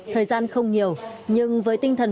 thời gian không nhiều nhưng với tinh thần